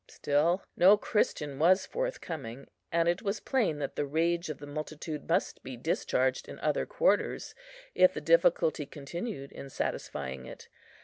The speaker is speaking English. Still no Christian was forthcoming; and it was plain that the rage of the multitude must be discharged in other quarters, if the difficulty continued in satisfying it.